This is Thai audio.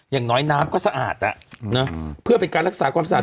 อย่างน้อยน้ำก็สะอาดเพื่อเป็นการรักษาความสะอาด